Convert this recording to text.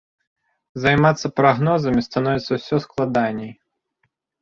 Займацца прагнозамі становіцца ўсё складаней.